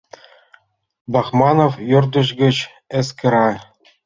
Бахманов ӧрдыж гыч эскера.